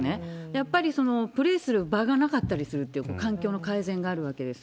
やっぱりプレーする場がなかったりするっていう、環境の改善があるわけです。